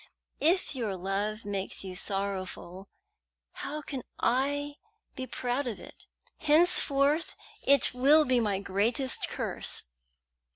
If your love makes you sorrowful, how can I be proud of it? Henceforth it will be my greatest curse."